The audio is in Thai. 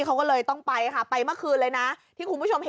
เขาเลยต้องไปค่ะไปเมื่อคืนเลยนะเปิดต่อ